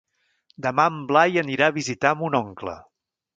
Demà en Blai anirà a visitar mon oncle.